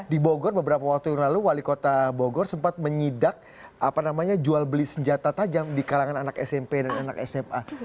di bogor beberapa waktu yang lalu wali kota bogor sempat menyidak jual beli senjata tajam di kalangan anak smp dan anak sma